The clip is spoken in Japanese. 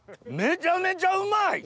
めちゃめちゃうまい！